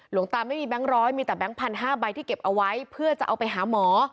หลวงตาไม่มีแบงค์ร้อยมีแต่แก๊งพันห้าใบที่เก็บเอาไว้เพื่อจะเอาไปหาหมอ